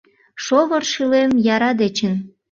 Шовыр шӱлем яра дечын